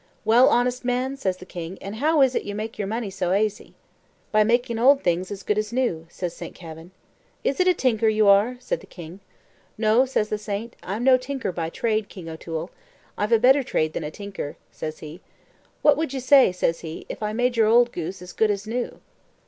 "Well, honest man," says the king, "and how is it you make your money so aisy?" "By makin' old things as good as new," says Saint Kavin. "Is it a tinker you are?" says the king. "No," says the saint; "I'm no tinker by trade, King O'Toole; I've a better trade than a tinker," says he "what would you say," says he, "if I made your old goose as good as new?"